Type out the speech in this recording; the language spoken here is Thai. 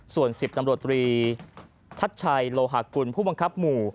ส่วน๑๐ตำรวจตรีทัชชัยโลหากุลผู้บังคับหมู่